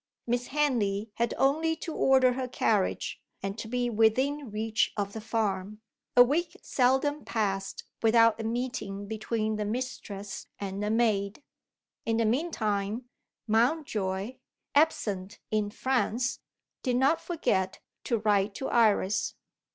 Miss Henley had only to order her carriage, and to be within reach of the farm. A week seldom passed without a meeting between the mistress and the maid. In the meantime, Mountjoy (absent in France) did not forget to write to Iris.